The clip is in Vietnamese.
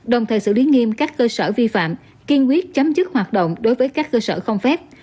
đồng thời xử lý nghiêm các cơ sở vi phạm kiên quyết chấm dứt hoạt động đối với các cơ sở không phép